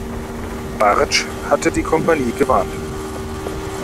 Bartsch hatte die Kompanie gewarnt.